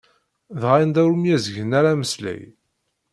Dɣa anda ur myezgen ara ameslay.